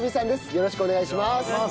よろしくお願いします。